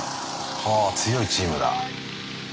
はぁ強いチームだ。